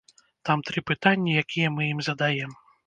Там тры пытанні, якія мы ім задаем.